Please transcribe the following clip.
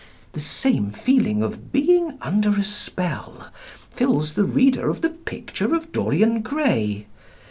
The same feeling of being under a spell fills the reader of "The Picture of Dorian Gray."